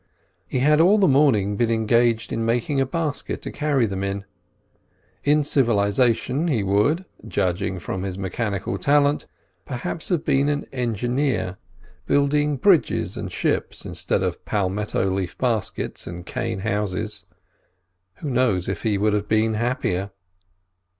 He had all the morning been engaged in making a basket to carry them in. In civilisation he would, judging from his mechanical talent, perhaps have been an engineer, building bridges and ships, instead of palmetto leaf baskets and cane houses—who knows if he would have been happier?